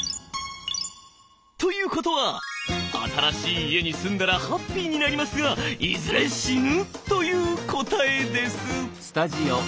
ということは新しい家に住んだらハッピーになりますがいずれ死ぬという答えです。